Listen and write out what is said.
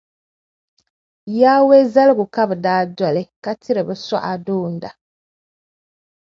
Yawɛ zaligu ka bɛ daa doli ka tiri bɛ suɣa doona.